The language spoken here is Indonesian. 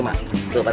iya ada setan